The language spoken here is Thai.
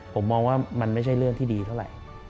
ผมมองว่ามันไม่ใช่เรื่องที่ดีเท่าไหร่